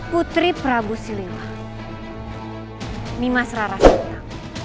putri prabu siliwa mimas rara seta